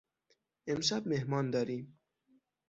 امشب مهمان داریم.